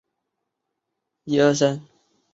张懋修人。